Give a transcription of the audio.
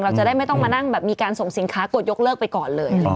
เราจะได้ไม่ต้องมานั่งแบบมีการส่งสินค้ากดยกเลิกไปก่อนเลย